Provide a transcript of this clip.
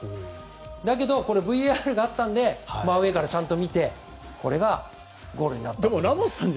だけど、ＶＡＲがあったので真上からちゃんと見てゴールになったと。